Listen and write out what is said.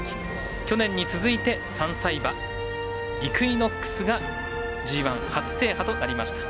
去年に続いて３歳馬イクイノックスがＧＩ初制覇となりました。